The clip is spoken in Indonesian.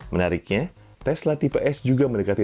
menariknya tesla tipe s juga mendekati